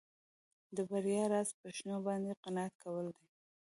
د بریا راز په شتو باندې قناعت کول دي.